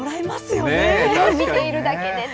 見ているだけでね。